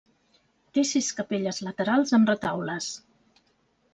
Té sis capelles laterals amb retaules.